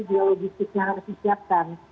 biologisnya harus disiapkan